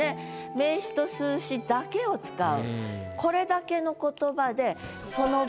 名詞と数詞だけを使う。